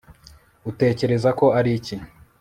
Utekereza ko ari iki